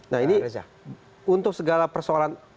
nah ini untuk segala persoalan